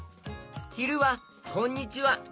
ひるは「こんにちは」。